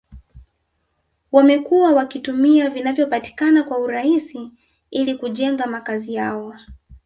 wamekuwa wakitumia vinavyopatikana kwa urahisi ili kujenga makazi yao